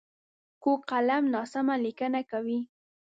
کوږ قلم ناسمه لیکنه کوي